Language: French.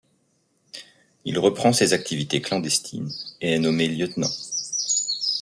Il reprend ses activités clandestines et est nommé lieutenant.